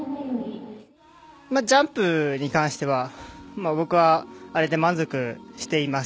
ジャンプに関しては僕はあれで満足しています。